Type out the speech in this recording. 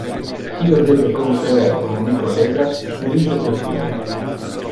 Io debe conferer con mi collegas sur iste question.